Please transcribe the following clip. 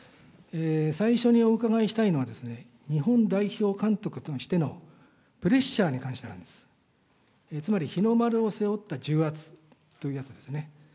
最初にお伺いしたいのは、日本代表監督としてのプレッシャーに関してなんです。つまり日の丸を背負った重圧というやつですね。